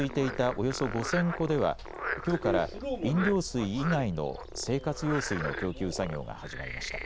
およそ５０００戸ではきょうから飲料水以外の生活用水の供給作業が始まりました。